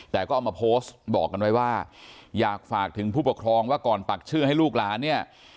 แต่ก็เอามาโพสต์บอกกันไว้ว่าอยากฝากถึงผู้ปกครองว่าก่อนปักชื่อให้ลูกหลานเนี่ย